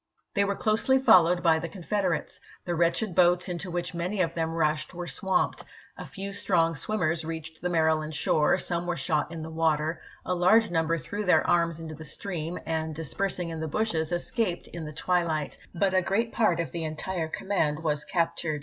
They were closely followed by the Confederates: the wretched boats into which many of them rushed were swamped; a few strong swimmers reached the Maryland shore, some were shot in the water, a large number threw their arms into the stream and, dispersing in the bushes, escaped in the twi light ; but a great part of the entire command was captured.